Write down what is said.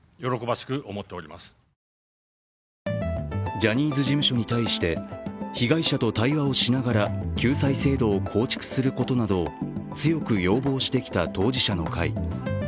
ジャニーズ事務所に対して、被害者と対話をしながら救済制度を構築することなどを強く要望してきた当事者の会。